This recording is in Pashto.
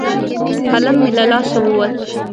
قلم مې له لاسه ووت.